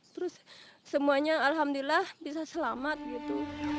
terus semuanya alhamdulillah bisa selamat gitu